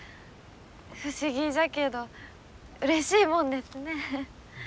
不思議じゃけどうれしいもんですね。